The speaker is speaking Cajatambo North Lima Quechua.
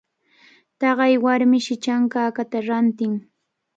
Taqay warmishi chankakata rantin.